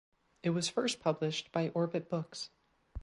It was first published by Orbit Books.